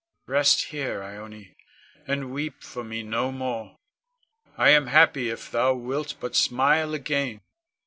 Rest here, Ione, and weep for me no more. I am happy if thou wilt but smile again.